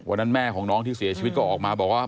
แม่ของน้องที่เสียชีวิตก็ออกมาบอกว่า